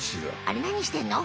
あれなにしてんの？